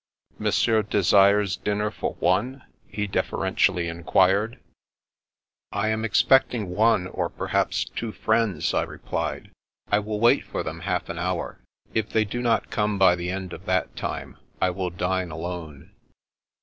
" Monsieur desires dinner for one? " he deferen tially enquired. 359 360 The Princess Passes " I am expecting one or perhaps two friends," I replied. " I will wait for them half an hour. If they do not come by the end of that time, I will dine alone."